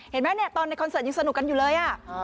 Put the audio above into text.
เห็นไหมเนี่ยตอนในคอนเสิร์ตยังสนุกกันอยู่เลย